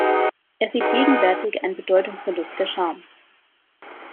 Er sieht gegenwärtig einen Bedeutungsverlust der Scham.